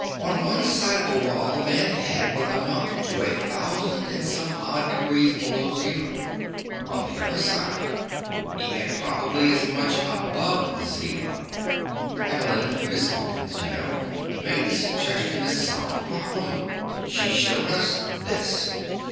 "On one side of a wall the man had what amounted to a thousand and some odd degrees below zero. On the other he had probably as much above zero. Evelyn Miss Hawkins, you know made the suggestion that solved the problem. She showed us this."